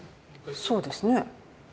そうですね。